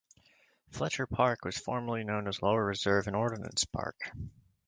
Fletcher Park was formally known as Lower Reserve and Ordinance Park.